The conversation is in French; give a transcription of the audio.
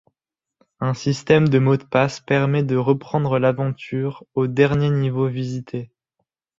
Un système de mot de passe permet de reprendre l'aventure au dernier niveau visité.